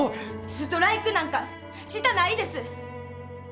ストライクなんかしたないです。